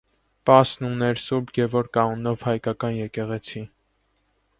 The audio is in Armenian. Պասն ուներ Ս. Գևորգ անունով հայկական եկեղեցի։